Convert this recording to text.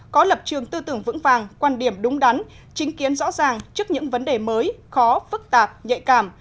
có lập trường tư tưởng vững vàng quan điểm đúng đắn chứng kiến rõ ràng trước những vấn đề mới khó phức tạp nhạy cảm